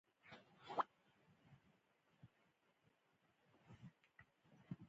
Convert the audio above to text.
تودوخه په جولا اندازه کېږي.